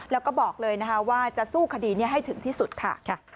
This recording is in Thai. แล้วก็บอกเลยนะคะว่าจะสู้คดีนี้ให้ถึงที่สุดค่ะ